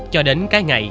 cho đến cái ngày